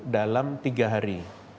dalam tiga hari